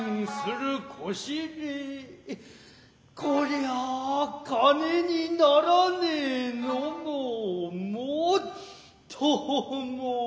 こりゃ金にならねえのも尤もだ。